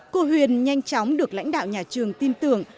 cô huyền nhanh chóng được lãnh đạo nhà trường tin tưởng